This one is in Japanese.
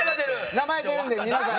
名前出るんで皆さん。